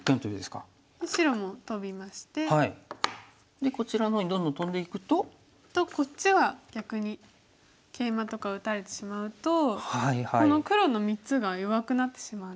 でこちらの方にどんどんトンでいくと？とこっちが逆にケイマとか打たれてしまうとこの黒の３つが弱くなってしまうんですね。